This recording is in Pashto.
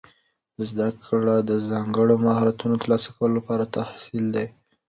زده کړه د ځانګړو مهارتونو د ترلاسه کولو لپاره تسهیل ده.